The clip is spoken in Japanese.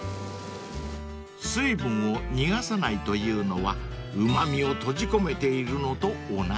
［水分を逃がさないというのはうま味を閉じ込めているのと同じ］